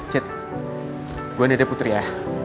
cid gue nede putri ya